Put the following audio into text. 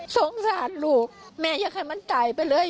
สงสารลูกแม่อยากให้มันตายไปเลย